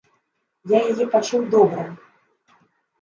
Я яе пачуў добра!